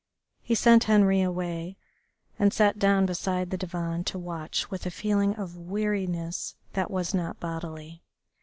He sent Henri away and sat down beside the divan to watch with a feeling of weariness that was not bodily.